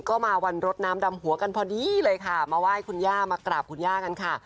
ก็มาวันรดน้ำดำหัวกันพอดีเลยค่ะมาไหว้คุณย่ามากราบคุณย่ากันค่ะ